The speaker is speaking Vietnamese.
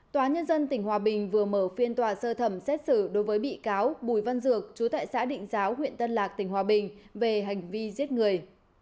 tòa nhân dân tỉnh hòa bình vừa mở phiên tòa sơ thẩm xét xử đối với bị cáo bùi văn dược chú tại xã định giáo huyện tân lạc tỉnh hòa bình về hành vi giết người